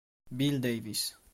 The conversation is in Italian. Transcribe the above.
Bill Davis